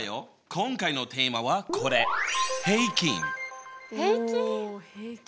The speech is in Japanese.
今回のテーマはこれ平均！